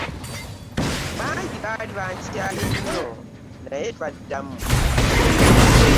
Bangi baali bankyaye nnyo naye twaddamu.